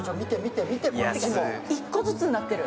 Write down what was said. １個ずつになってる。